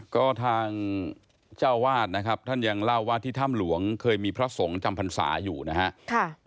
ก็ทางเจ้าวาดนะครับท่านยังเล่าว่าที่ถ้ำหลวงเคยมีพระสงฆ์จำพรรษาอยู่นะครับ